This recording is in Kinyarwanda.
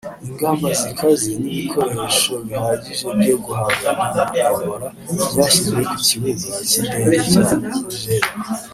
Ingamba zikaze n’ibikoresho bihagije byo guhangana na Ebola byashyizwe ku kibuga cy’indenge cya Jeddah